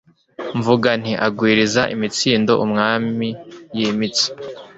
mvuga nti agwiriza imitsindo umwami yimitse